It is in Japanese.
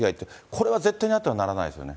これは絶対にあってはならないですよね。